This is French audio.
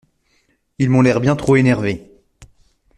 Ils m’ont l’air bien trop énervés.